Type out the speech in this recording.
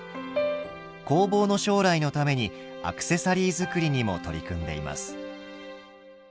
工房の将来のためにアクセサリー作りにも取り組んでいます。